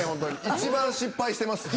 一番失敗してるんすよ。